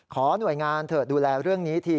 ขอหน่วยงานเถอะดูแลเรื่องนี้ที